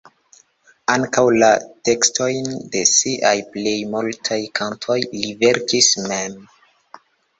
Ankaŭ la tekstojn de siaj plej multaj kantoj li verkis mem.